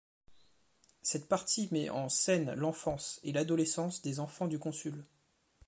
Cette partie met en scène l'enfance et l'adolescence des enfants du Consul.